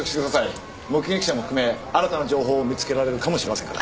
目撃者も含め新たな情報を見付けられるかもしれませんから。